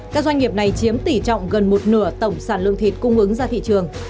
các doanh nghiệp này chiếm tỷ trọng gần một nửa tổng sản lượng thịt cung ứng ra thị trường